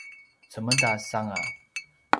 cemedas anga